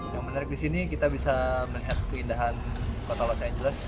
yang menarik di sini kita bisa melihat keindahan kota los angeles